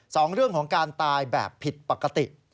สองเรื่องของการตายแบบผิดปกติ